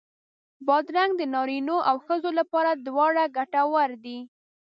بادرنګ د نارینو او ښځو لپاره دواړو ګټور دی.